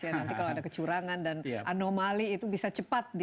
ya nanti kalau ada kecurangan dan anomali itu bisa cepat